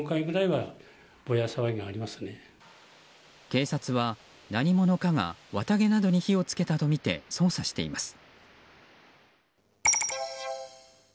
警察は、何者かが綿毛などに火を付けたとみて捜査しています。